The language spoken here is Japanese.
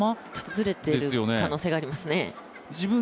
ずれている可能性があります。